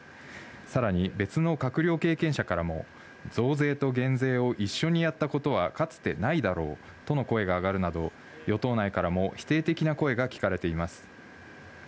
さらに別の閣僚経験者からも、増税と減税を一緒にやったことはかつてないだろうとの声が上がるなど、与党内からも否定的な声が聞かれています。